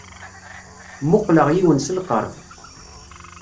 Mmuqqleɣ yiwen s lqerb.